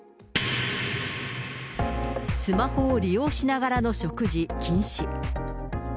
スマホを利用しながらの食事禁止。